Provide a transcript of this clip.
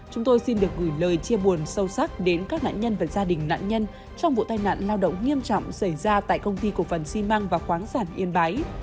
chúng tôi xin được gửi lời chia buồn sâu sắc đến các nạn nhân và gia đình nạn nhân trong vụ tai nạn lao động nghiêm trọng xảy ra tại công ty cổ phần xi măng và khoáng sản yên bái